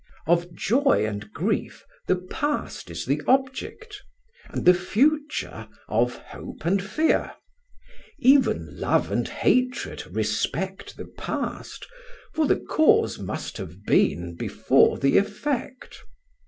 Of joy and grief, the past is the object, and the future of hope and fear; even love and hatred respect the past, for the cause must have been before the effect.